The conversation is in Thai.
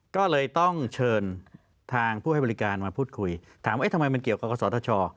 ก็เลยต้องเชิญทางผู้ให้บริการมาพูดคุยถามว่าทำไมมันเกี่ยวกับกศธช